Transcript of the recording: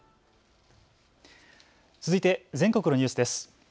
続いて全国のニュースです。